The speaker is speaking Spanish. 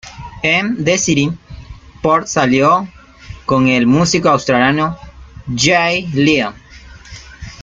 En The City, Port salió con el músico australiano Jay Lyon.